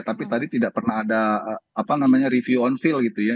tapi tadi tidak pernah ada review onfield gitu ya